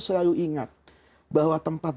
selalu ingat bahwa tempat